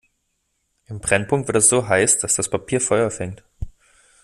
Im Brennpunkt wird es so heiß, dass das Papier Feuer fängt.